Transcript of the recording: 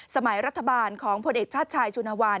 สมัยรัฐบาลของพลเอกชาติชายชุนวาล